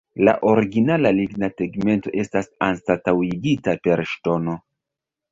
La originala ligna tegmento estas anstataŭigita per ŝtono.